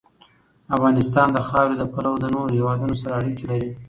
افغانستان د خاورې له پلوه له نورو هېوادونو سره اړیکې لري.